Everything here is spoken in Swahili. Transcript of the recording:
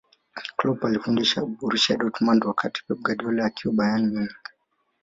Kloop alifundisha borusia dortmund wakati pep guardiola akiwa bayern munich